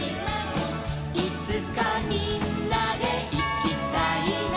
「いつかみんなでいきたいな」